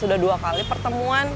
sudah dua kali pertemuan